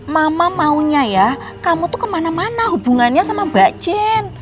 mama maunya ya kamu tuh kemana mana hubungannya sama mbak jen